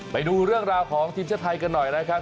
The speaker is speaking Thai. ไปดูเรื่องราวของทีมชาติไทยกันหน่อยนะครับ